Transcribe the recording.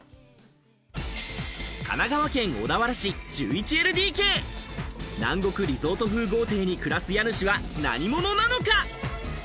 神奈川県小田原市１１ＬＤＫ、南国リゾート風豪邸に暮らす家主は何者なのか？